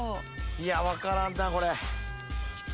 いや分からんなこれ。